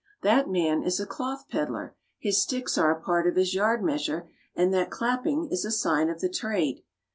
That man is a cloth peddler, his sticks are a part of his yard measure, and that clapping is the sign of his trade.